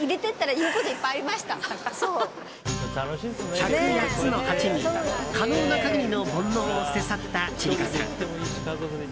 １０８つの鉢に可能な限りの煩悩を捨て去った千里子さん。